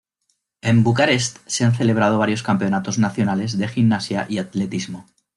En Bucarest se han celebrado varios campeonatos nacionales de gimnasia y atletismo.